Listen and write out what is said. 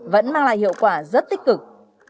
vẫn mang lại hiệu quả rất tích cực